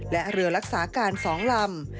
และเรือรักษาการ๒ลำ